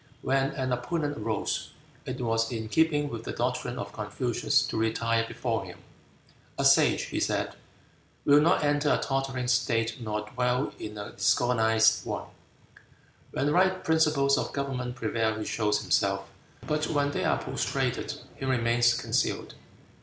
When an opponent arose, it was in keeping with the doctrine of Confucius to retire before him. "A sage," he said, "will not enter a tottering state nor dwell in a disorganized one. When right principles of government prevail he shows himself, but when they are prostrated he remains concealed."